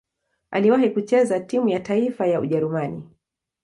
Aliwahi kucheza timu ya taifa ya Ujerumani.